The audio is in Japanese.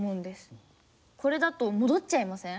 これだと戻っちゃいません？